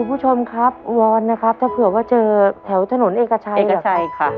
คุณผู้ชมครับวอนนะครับถ้าเผื่อว่าเจอแถวถนนเอกชัยเอกชัยค่ะ